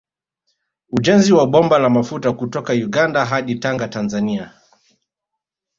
Ujenzi wa bomba la mafuta kutoka Uganda hadi Tanga Tanzania